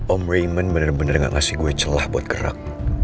om wayment bener bener gak ngasih gue celah buat gerak